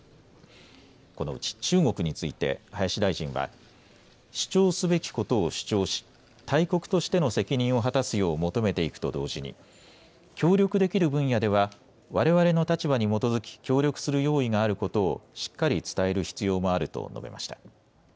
このうち中国について林大臣は主張すべきことを主張し大国としての責任を果たすよう求めていくと同時に協力できる分野ではわれわれの立場に基づき協力する用意があることをしっかり伝える必要もあると述べました。